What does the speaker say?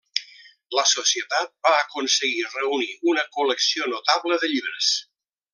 La societat va aconseguir reunir una col·lecció notable de llibres.